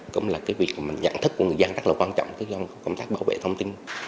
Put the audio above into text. cũng là cái việc mà nhận thức của người dân rất là quan trọng cái công tác bảo vệ thông tin